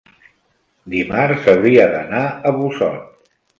Dimarts hauria d'anar a Busot.